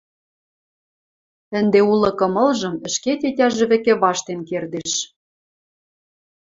Ӹнде улы кымылжым ӹшке тетяжӹ вӹкӹ ваштен кердеш.